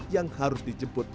yang harus dijaga